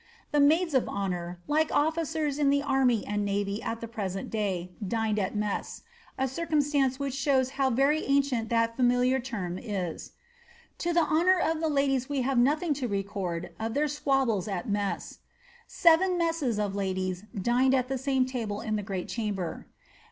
The maids of honour, like officers in the army and imvy at the present day, dined at mess, a circumstance which shows how very ancient that (aiadiar term is. To the honour of the ladies we have nothing to record of iheir squabbles at mess. ^ Seven messes of ladies dined at the same table in the great chamber.